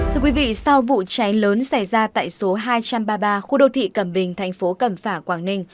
thưa quý vị sau vụ cháy lớn xảy ra tại số hai trăm ba mươi ba khu đô thị cẩm bình thành phố cẩm phả quảng ninh